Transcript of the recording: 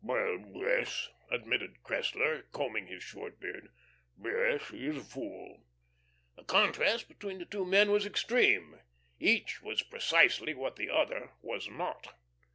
"Well, yes," admitted Cressler, combing his short beard, "yes, he is a fool." The contrast between the two men was extreme. Each was precisely what the other was not.